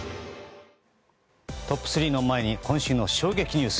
トップ３の前に今週の衝撃ニュース。